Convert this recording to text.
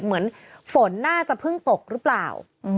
เหมือนฝนน่าจะเพิ่งตกหรือเปล่า